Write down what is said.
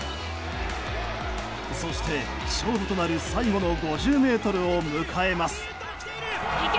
そして、勝負となる最後の５０ｍを迎えます。